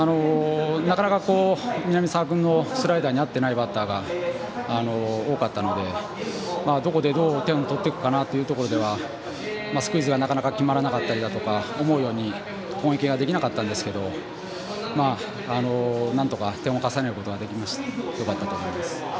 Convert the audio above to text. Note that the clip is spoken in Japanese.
なかなか南澤君のスライダーに合っていないバッターが多かったのでどこでどう点を取っていくかなというところではスクイズがなかなか決まらなかったりとか思うように攻撃ができなかったんですけどなんとか点を重ねることができてよかったと思います。